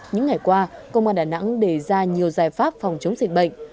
những ngày qua công an đà nẵng đề ra nhiều giải pháp phòng chống dịch bệnh